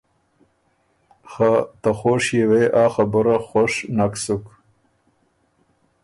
خه ته خوشيې وې آ خبُره خوش نک سُک